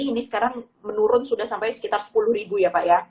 ini sekarang menurun sudah sampai sekitar sepuluh ribu ya pak ya